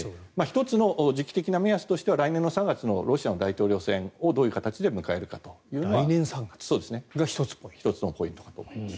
１つの時期的な目安としては来年の３月のロシアの大統領選をどういう形で迎えるかというのはそれが１つのポイントだと思います。